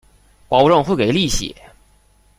保证会给利息